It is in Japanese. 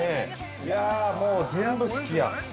もう全部好きや。